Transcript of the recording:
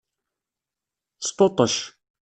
Sṭuṭec.